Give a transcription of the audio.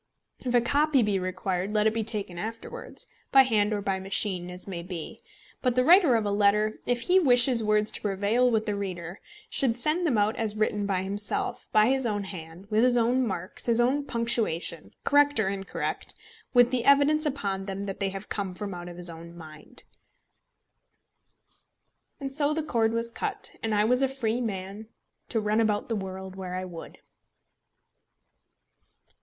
If a copy be required, let it be taken afterwards, by hand or by machine, as may be. But the writer of a letter, if he wish his words to prevail with the reader, should send them out as written by himself, by his own hand, with his own marks, his own punctuation, correct or incorrect, with the evidence upon them that they have come out from his own mind. And so the cord was cut, and I was a free man to run about the world where I would.